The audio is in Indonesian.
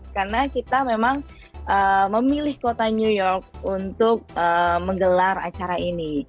karena kita memang memilih kota new york untuk menggelar acara ini